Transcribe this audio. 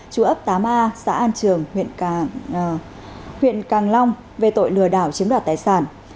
chú ấp tám a xã an trường huyện càng long về tội lừa đảo chiếm đoạt tài sản